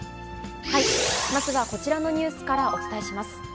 まずはこちらのニュースからお伝えします。